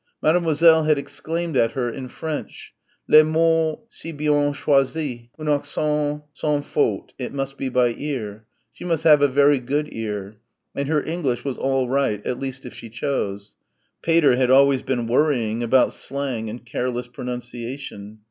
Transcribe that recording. Mademoiselle had exclaimed at her French les mots si bien choisis un accent sans faute it must be ear. She must have a very good ear. And her English was all right at least, if she chose.... Pater had always been worrying about slang and careless pronunciation.